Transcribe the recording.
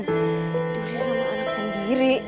diusir sama anak sendiri